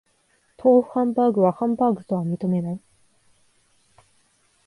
豆腐ハンバーグはハンバーグとは認めない